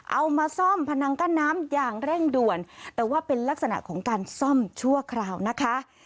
เอามาซ่อมพนังกั้นน้ำอย่างเร่งด่วนแต่ว่าเป็นลักษณะของการซ่อมชั่วคราวนะคะ